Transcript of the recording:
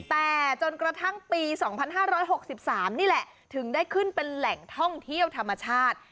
แต่จนกระทั่งปีสองพันห้าร้อยหกสิบสามนี่แหละถึงได้ขึ้นเป็นแหล่งท่องเที่ยวธรรมชาติ